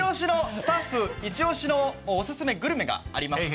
スタッフイチオシのおすすめグルメがありまして。